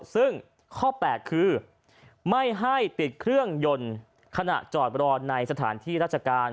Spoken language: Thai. ซึ่งข้อ๘คือไม่ให้ติดเครื่องยนต์ขณะจอดรอในสถานที่ราชการ